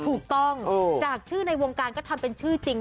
ถูกต้องจากชื่อในวงการก็ทำเป็นชื่อจริง